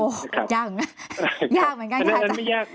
ยากยากเหมือนกันค่ะ